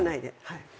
はい。